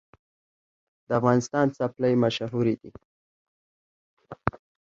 د افغانستان څپلۍ مشهورې دي